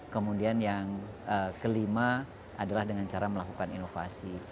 kemudian yang kelima adalah dengan cara melakukan inovasi